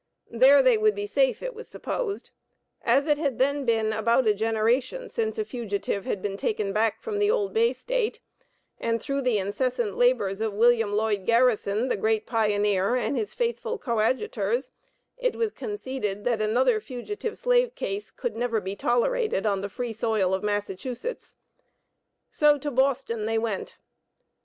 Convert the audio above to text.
There they would be safe, it was supposed, as it had then been about a generation since a fugitive had been taken back from the old Bay State, and through the incessant labors of William Lloyd Garrison, the great pioneer, and his faithful coadjutors, it was conceded that another fugitive slave case could never be tolerated on the free soil of Massachusetts. So to Boston they went.